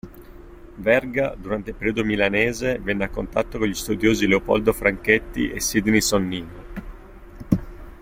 Verga, durante il periodo Milanese, venne a contatto con gli studiosi Leopoldo Franchetti e Sidney Sonnino.